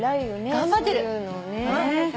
頑張ってる。